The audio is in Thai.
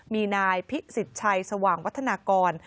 มีนายพิสิทธิ์ชัยสว่างวัฒนากร